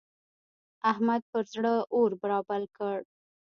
احمد پر زړه اور رابل کړ.